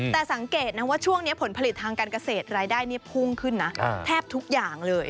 แต่สังเกตนะว่าช่วงนี้ผลผลิตทางการเกษตรรายได้พุ่งขึ้นนะแทบทุกอย่างเลย